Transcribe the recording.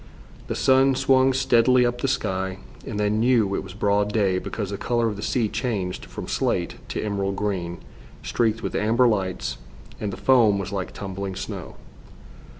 The sun swung steadily up the sky, and they knew it was broad day because the color of the sea changed from slate to emerald green, streaked with amber lights, and the foam was like tumbling snow.